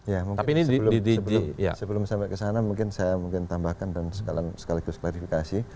ya mungkin sebelum sampai ke sana mungkin saya mungkin tambahkan dan sekaligus klarifikasi